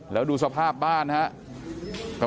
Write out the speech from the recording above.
แล้วดูสภาพบ้านนะครับ